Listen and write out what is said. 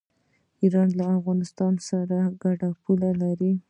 ایران له افغانستان سره ګډه پوله لري.